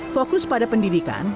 fokus pada pendidikan